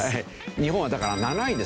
日本はだから７位ですね。